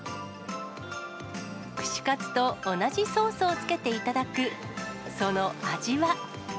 串カツと同じソースをつけて頂く、その味は？